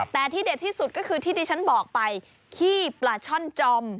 แต่ที่เด็ดที่สุดก็คือที่ดิฉันบอกไปขี้ปลาช่อนจอม